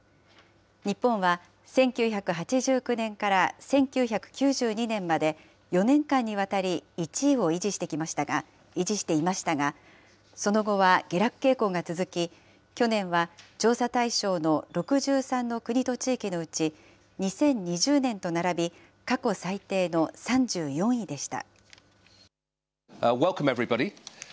日本は１９８９年から１９９２年まで、４年間にわたり１位を維持していましたが、その後は下落傾向が続き、去年は調査対象の６３の国と地域のうち、２０２０年と並び、過去最低の３４位でした。